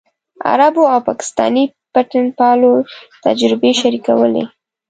عربو او پاکستاني بنسټپالو تجربې شریکولې.